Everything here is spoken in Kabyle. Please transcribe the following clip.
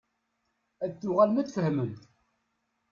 Ad tuɣalem ad tfehmem.